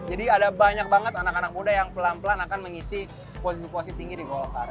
jadi ada banyak banget anak anak muda yang pelan pelan akan mengisi posisi posisi tinggi di golkar